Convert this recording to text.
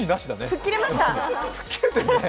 吹っ切れました！